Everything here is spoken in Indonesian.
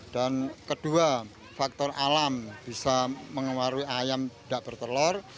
dan kedua faktor alam bisa mengawal ayam nggak bertelur